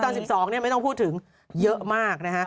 ตอน๑๒เนี่ยไม่ต้องพูดถึงเยอะมาก